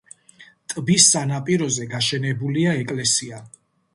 ტბის სანაპიროზე გაშენებულია ეკლესია.